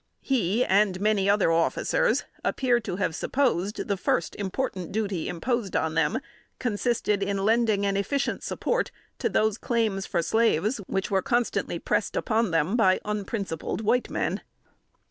He, and many other officers, appear to have supposed the first important duty imposed on them, consisted in lending an efficient support to those claims for slaves which were constantly pressed upon them by unprincipled white men.